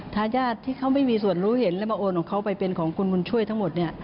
ทายาทที่เขาไม่มีส่วนรู้เห็นและมาโอนของเขาไปเป็นของคุณบุญช่วยทั้งหมด